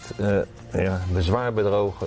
เธอจะบอกว่าเธอจะบอกว่าเธอจะบอกว่า